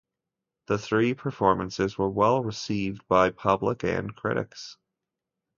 The three performances were well received by public and critics.